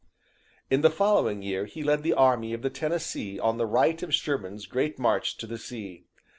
"In the following year he led the Army of the Tennessee on the right of Sherman's great march to the sea.